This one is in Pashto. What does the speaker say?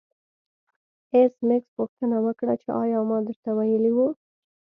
ایس میکس پوښتنه وکړه چې ایا ما درته ویلي وو